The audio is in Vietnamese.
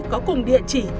có cùng địa chỉ